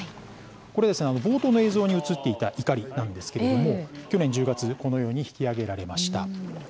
これ冒頭の映像に映っていたいかりなんですけれども去年１０月このように引き揚げられました。